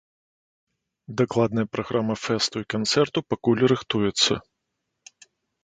Дакладная праграма фэсту і канцэрту пакуль рыхтуецца.